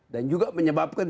dan juga menyebabkan